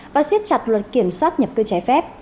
và siết chặt luật kiểm soát nhập cư trái phép